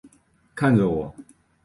看着我